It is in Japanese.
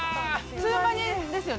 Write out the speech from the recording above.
ツウマニですよね。